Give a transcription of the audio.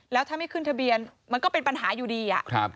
แล้วถ้าไม่ขึ้นทะเบียนมันก็เป็นปัญหาอยู่ดี